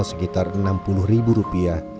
modal sekitar rp enam puluh